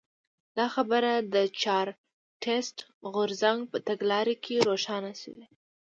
دا خبره د چارټېست غورځنګ په تګلاره کې روښانه شوې.